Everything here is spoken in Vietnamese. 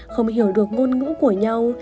không hiểu được ngôn ngữ của nhau